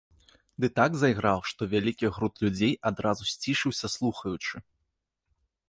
Ды так зайграў, што вялікі груд людзей адразу сцішыўся, слухаючы.